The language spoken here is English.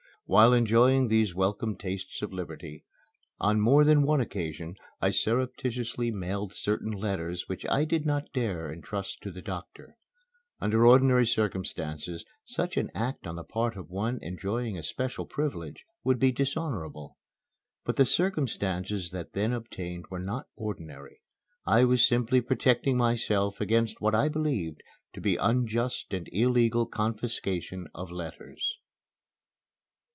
While enjoying these welcome tastes of liberty, on more than one occasion I surreptitiously mailed certain letters which I did not dare entrust to the doctor. Under ordinary circumstances such an act on the part of one enjoying a special privilege would be dishonorable. But the circumstances that then obtained were not ordinary. I was simply protecting myself against what I believed to be unjust and illegal confiscation of letters.